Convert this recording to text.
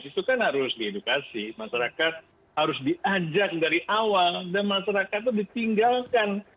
itu kan harus diedukasi masyarakat harus diajak dari awal dan masyarakat itu ditinggalkan